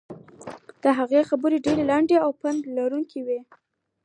د هغه خبرې ډېرې لنډې او پند لرونکې وې.